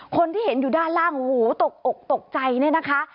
คนที่เห็นอยู่ด้านล่างโอ้โหตกอกตกใจเนี่ยนะคะ